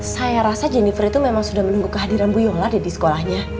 saya rasa jennifer itu memang sudah menunggu kehadiran bu yola di sekolahnya